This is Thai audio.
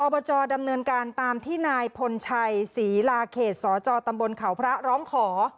บจดำเนินการตามที่นายพลชัยศรีลาเขตสจตำบลเขาพระร้องขอ